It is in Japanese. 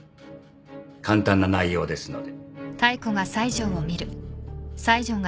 簡単な内容ですので。